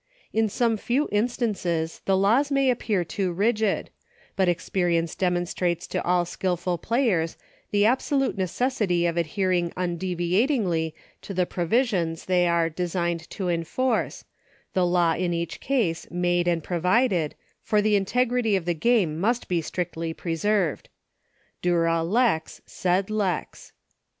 In some few instances the laws may appear too rigid, but experience demonstrates to all skillful players the absolute necessity of adhe ring undeviatingly to the provisions they are, designed to enforce — the law in such case made and provided — for the integrity of the game must be strictly preserved. Dura lex, sed lex.